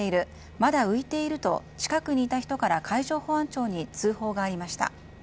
まだ浮いていると近くにいた人から海上保安庁に通報がありました。